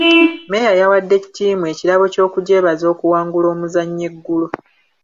Mmeeya yawadde ttiimu ekirabo ky'obugyebaza okuwngula omuzannyo eggulo.